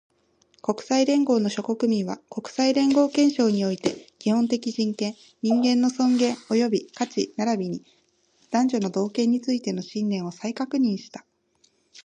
国際連合の諸国民は、国際連合憲章において、基本的人権、人間の尊厳及び価値並びに男女の同権についての信念を再確認した